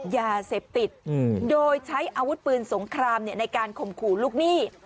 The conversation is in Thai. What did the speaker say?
ยาเสพติดโดยใช้อาวุธปืนสงครามในการข่มขู่ลูกหนี้